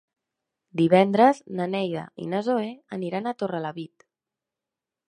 Divendres na Neida i na Zoè aniran a Torrelavit.